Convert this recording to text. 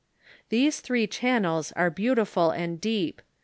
These three channels arc beautiful and deep.